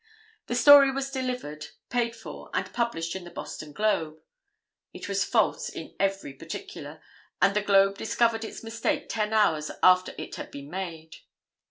The story was delivered, paid for and published in the Boston Globe. It was false in every particular, and the Globe discovered its mistake ten hours after it had been made.